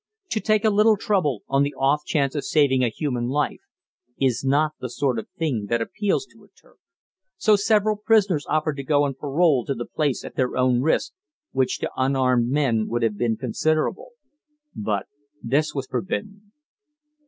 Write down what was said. To take a little trouble on the off chance of saving a human life is not the sort of thing that appeals to a Turk; so several prisoners offered to go on parole to the place at their own risk, which to unarmed men would have been considerable. But this was forbidden.